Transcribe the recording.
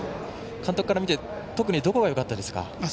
監督から見て特にどこがよかったですか。